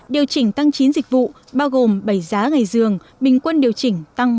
điều chỉnh tăng chín dịch vụ bao gồm bảy giá ngày dường bình quân điều chỉnh tăng năm